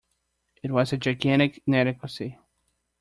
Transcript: It was a gigantic inadequacy.